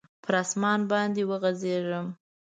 پر اسمان باندي وغځیږم